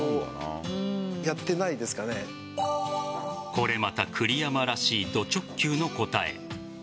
これまた栗山らしいド直球の答え。